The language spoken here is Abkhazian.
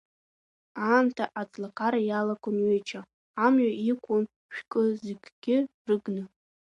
Аамҭа аӡлагара иалагон ҩыџьа, амҩа иқәын шәкы-зықьгьы рыгны.